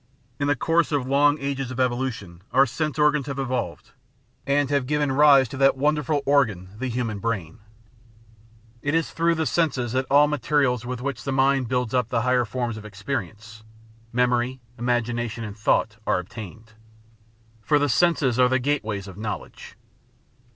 In the course of long ages of evolution our sense organs have evolved, and have given rise to that wonderful organ the himian 541 5M The Outline of Science brain. It is through the senses that all the materials with which the mind builds up the higher forms of experience— memory, imagination, and thought — ^are obtained. For the senses are the Gateways of Knowledge.